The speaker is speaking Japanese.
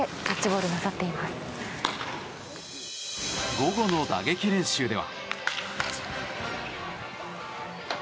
午後の打撃練習では。